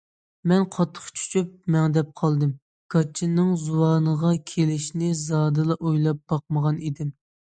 مەن قاتتىق چۆچۈپ مەڭدەپ قالدىم، گاچىنىڭ زۇۋانغا كېلىشىنى زادىلا ئويلاپ باقمىغان ئىدىم.